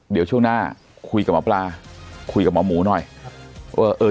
เดี๋ยวช่วงหน้าคุยกับหมอปลาคุยกับหมอหมูหน่อยครับเออเออ